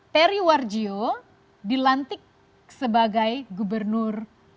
peri warjio dilantik sebagai gubernur